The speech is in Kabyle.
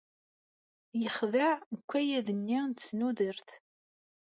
Yexdeɛ deg ukayad-nni n tesnudert.